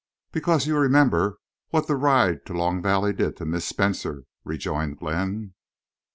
Because you remember what the ride to Long Valley did to Miss Spencer," rejoined Glenn.